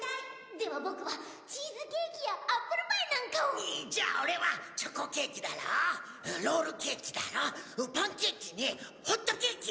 では僕はチーズケーキやアップルパイなんかを。じゃ俺はチョコケーキだろロールケーキだろパンケーキにホットケーキ。